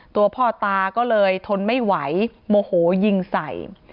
ตัวพ่อตาก็เลยทนไม่ไหวโมโหยิงใส่